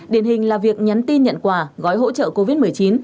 điển hình là việc nhắn tin nhận quà gói hỗ trợ covid một mươi chín